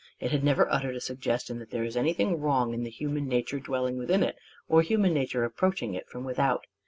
It had never uttered a suggestion that there is anything wrong in the human nature dwelling within it or human nature approaching it from without.